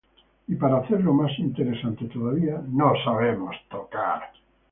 Y, para hacerlo más interesante todavía, no sabemos tocar.